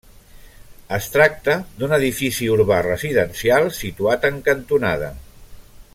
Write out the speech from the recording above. Es tracta d'un edifici urbà residencial situat en cantonada.